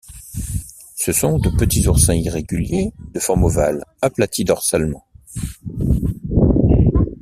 Ce sont de petits oursins irréguliers, de forme ovale, aplatis dorsalement.